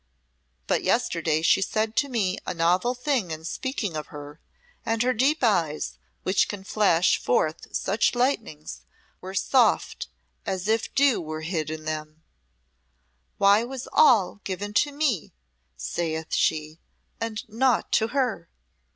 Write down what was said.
But yesterday she said to me a novel thing in speaking of her and her deep eyes, which can flash forth such lightnings, were soft as if dew were hid in them 'Why was all given to me,' saith she, 'and naught to her?